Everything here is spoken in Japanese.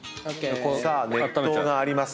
さあ熱湯があります。